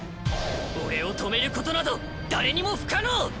俺を止めることなど誰にも不可能！